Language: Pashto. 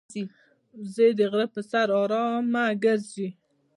وزې د غره پر سر آرامه ګرځي